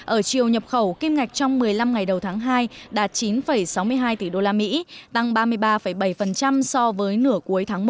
ở chiều nhập khẩu kim ngạch trong một mươi năm ngày đầu tháng hai đạt chín sáu mươi hai tỷ usd tăng ba mươi ba bảy so với nửa cuối tháng một